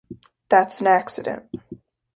That's an Accident.